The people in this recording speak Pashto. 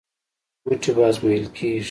مټې به ازمویل کېږي.